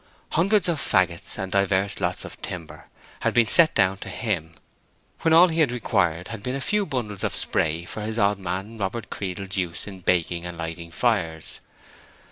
Hundreds of fagots, and divers lots of timber, had been set down to him, when all he had required had been a few bundles of spray for his odd man Robert Creedle's use in baking and lighting fires.